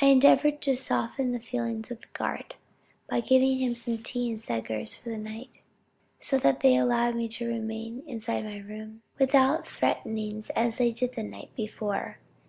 I endeavored to soften the feelings of the guard, by giving them tea and segars for the night; so that they allowed me to remain inside my room, without threatening as they did the night before."